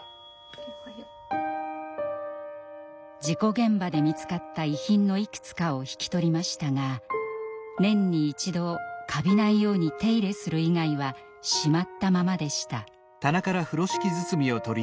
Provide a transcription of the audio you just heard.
事故現場で見つかった遺品のいくつかを引き取りましたが年に一度かびないように手入れする以外はしまったままでした。